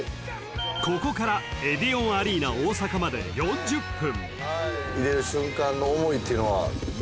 ［ここからエディオンアリーナ大阪まで４０分］